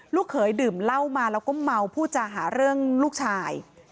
เขยดื่มเหล้ามาแล้วก็เมาผู้จาหาเรื่องลูกชาย